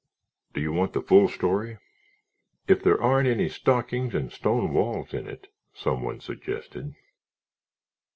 Do you want the full story?" "If there aren't any stockings and stone walls in it," someone suggested.